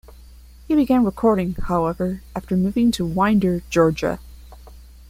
He began recording, however, after moving to Winder, Georgia.